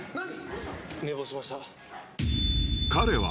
何！？